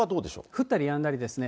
降ったりやんだりですね。